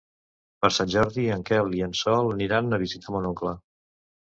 Per Sant Jordi en Quel i en Sol aniran a visitar mon oncle.